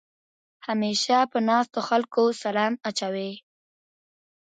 همېشه په ناستو خلکو سلام اچوې.